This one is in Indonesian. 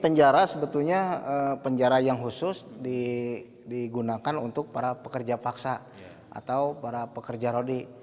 penjara sebetulnya penjara yang khusus digunakan untuk para pekerja paksa atau para pekerja rodi